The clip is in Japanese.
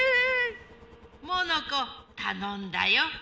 モノコたのんだよ。